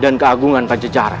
dan keagungan pacejaran